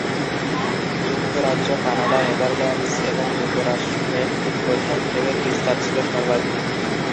যুক্তরাজ্য, Canada, Netherlands এবং যুক্তরাষ্ট্রে প্রথম ঢেউয়ের বিস্তার ছিল সর্বাধিক।